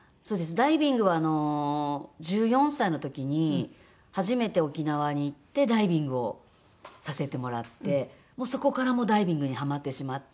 ダイビングはあの１４歳の時に初めて沖縄に行ってダイビングをさせてもらってそこからもうダイビングにハマってしまって。